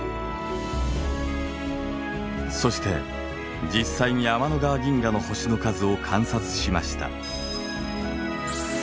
そして実際に天の川銀河の星の数を観察しました。